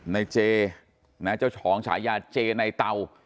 ในเจนะเจ้าของฉายาเจในเตา